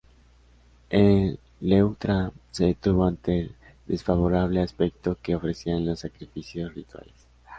En Leuctra se detuvo ante el desfavorable aspecto que ofrecían los sacrificios rituales.